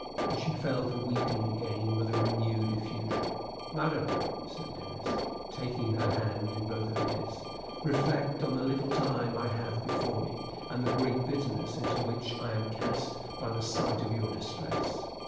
And she fell to weeping again with a renewed effusion. "Madam," said Denis, taking her hand in both of his; "reflect on the little time I have before me, and the great bitterness into which I am cast by the sight of your distress.